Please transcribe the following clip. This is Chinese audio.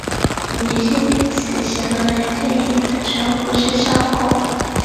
女性此行为对应的称呼是上空。